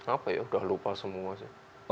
apa ya udah lupa semua sih